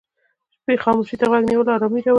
د شپې خاموشي ته غوږ نیول آرامي راولي.